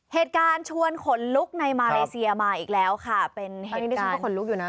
เหตุการณ์ชวนขนลุกในมาเลเซียมาอีกแล้วค่ะเป็นเหตุการณ์ขนลุกอยู่น่ะ